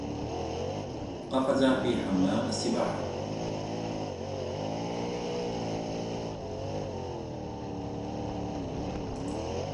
قفز في حمام السباحة.